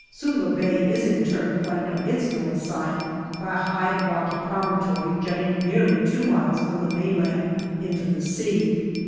Suvla Bay is in turn flanked on its north side by a high rocky promontory, jutting nearly two miles from the mainland into the sea.